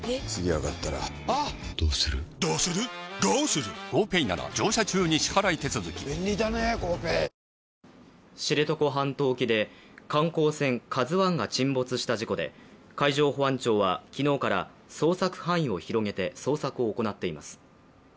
竹島周辺のＥＥＺ内では今月中旬にも知床半島沖で観光船「ＫＡＺＵⅠ」が沈没した事故で海上保安庁は、昨日から捜索範囲を広げて捜索を行っています。